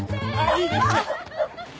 いいですね！